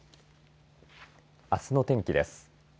あすの天気です。